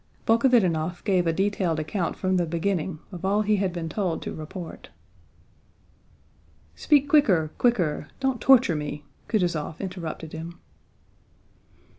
Bolkhovítinov gave a detailed account from the beginning of all he had been told to report. "Speak quicker, quicker! Don't torture me!" Kutúzov interrupted him.